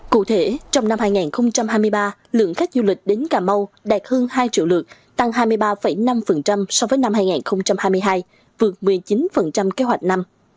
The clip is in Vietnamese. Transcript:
cụ thể trong năm hai nghìn hai mươi ba lượng khách du lịch đến cà mau đạt hơn hai triệu lượt tăng hai mươi ba năm so với năm hai nghìn hai mươi hai vượt một mươi chín kế hoạch năm